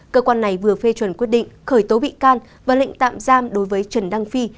cơ quan này vừa phê chuẩn quyết định khởi tố bị can và lệnh tạm giam đối với trần đăng phi